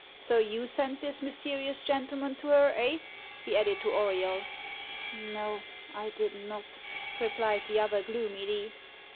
So you sent this mysterious gentleman to her, eh?" he added to Auriol. "No, I did not," replied the other gloomily.